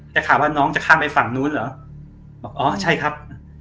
แต่ถามว่าน้องจะข้ามไปฝั่งนู้นเหรอบอกอ๋อใช่ครับ